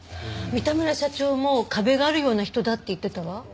三田村社長も壁があるような人だって言ってたわ。